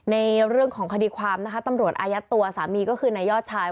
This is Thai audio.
ในเรื่องของคดีความนะคะตำรวจอายัดตัวสามีก็คือนายยอดชาย